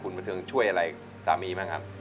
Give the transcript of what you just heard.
คุณประเทืองช่วยอะไรสามีมั้งครับ